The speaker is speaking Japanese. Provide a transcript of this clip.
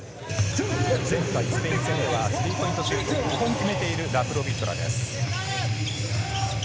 前回スペイン戦ではスリーポイントシュートも決めているラプロビットラです。